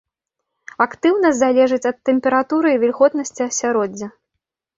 Актыўнасць залежыць ад тэмпературы і вільготнасці асяроддзя.